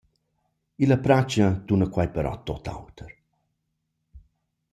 Illa pracha tuna quai però tuot oter.